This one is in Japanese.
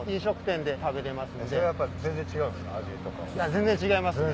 全然違いますね。